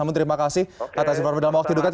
namun terima kasih atas informasi dalam waktu dekat